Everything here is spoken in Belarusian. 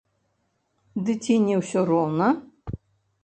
Ды ці не ўсё роўна?